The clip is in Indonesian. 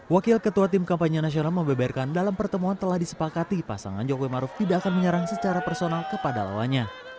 wakil ketua tim kampanye nasional membeberkan dalam pertemuan telah disepakati pasangan jokowi maruf tidak akan menyerang secara personal kepada lawannya